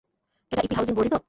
এটা EP housing বোর্ডই তো?